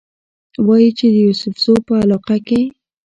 وايي چې د يوسفزو پۀ علاقه کښې